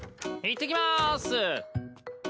いってきます。